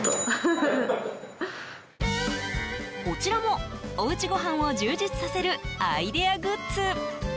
こちらも、おうちごはんを充実させるアイデアグッズ。